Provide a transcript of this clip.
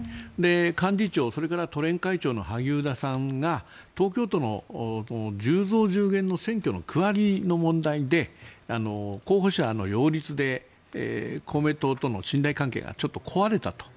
幹事長それから都連会長の萩生田さんが東京都の１０増１０減の選挙の区割りの問題で候補者の擁立で公明党との信頼関係がちょっと壊れたと。